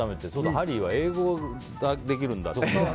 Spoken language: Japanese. ハリーは英語ができるんだって。